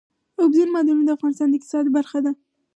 اوبزین معدنونه د افغانستان د اقتصاد برخه ده.